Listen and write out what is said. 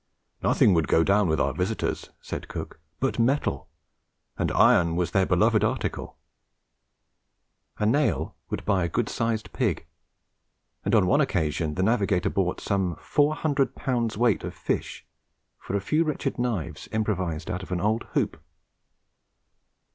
"Nothing would go down with our visitors," says Cook, "but metal; and iron was their beloved article." A nail would buy a good sized pig; and on one occasion the navigator bought some four hundred pounds weight of fish for a few wretched knives improvised out of an old hoop.